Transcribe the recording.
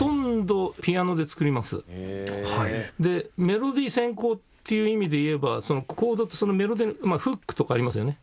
メロディー先行っていう意味で言えばコードとフックとかありますよね？